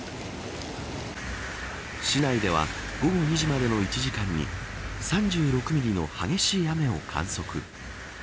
市内では午後２時までの１時間に３６ミリの激しい雨を観測。